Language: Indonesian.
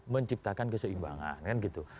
menciptakan keseimbangan kan gitu